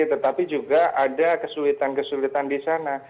tetapi juga ada kesulitan kesulitan di sana